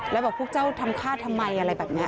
แล้วบอกพวกเจ้าทำฆ่าทำไมอะไรแบบนี้